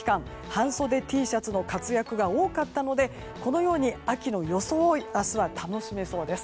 半袖Ｔシャツの活躍が多かったのでこのように秋の装いを明日は楽しめそうです。